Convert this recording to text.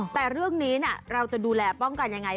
แต่เรื่องนี้เราจะดูแลป้องกันยังไง